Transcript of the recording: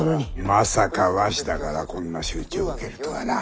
まさか鷲田からこんな仕打ちを受けるとはな。